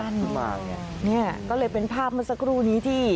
นี่ก็เลยเป็นภาพเมื่อสักครู่นี้ที่